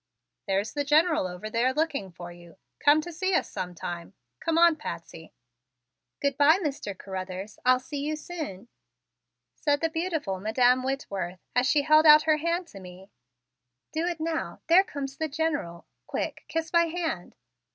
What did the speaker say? "There's the General over there looking for you. Come to see us sometime. Come on, Patsy!" "Good bye, Mr. Carruthers. I'll see you soon," said the beautiful Madam Whitworth as she held out her hand to me. "Do it now; there comes the General! Quick, kiss my hand!"